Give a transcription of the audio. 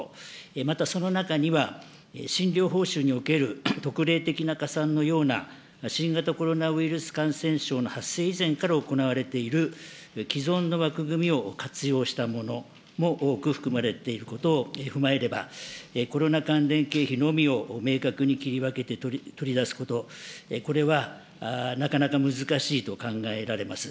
またその中には、診療報酬における特例的な加算のような、新型コロナウイルス感染症の発生以前から行われている既存の枠組みを活用したものも多く含まれていることを踏まえれば、コロナ関連経費のみを明確に切り分けて取り出すこと、これはなかなか難しいと考えられます。